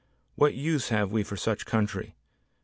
What use have we for such country?